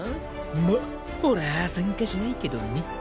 まっ俺ぁ参加しないけどね。